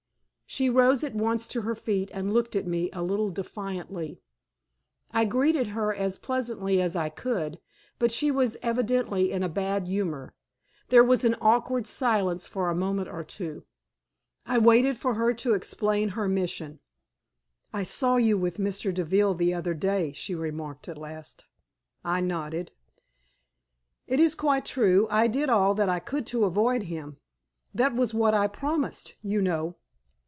She rose at once to her feet, and looked at me a little defiantly. I greeted her as pleasantly as I could, but she was evidently in a bad humor. There was an awkward silence for a moment or two. I waited for her to explain her mission. "I saw you with Mr. Deville the other day," she remarked at last. I nodded. "It is quite true. I did all that I could to avoid him. That was what I promised, you know."